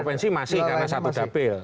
provinsi masih karena satu dapil